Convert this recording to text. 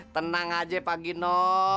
tenang aja pak gino